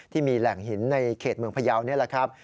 ที่มีแหล่งหินในเขตเมืองพยาวนี่แหละครับ